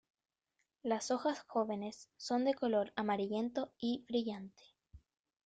Las hojas jóvenes son de color amarillento y brillante.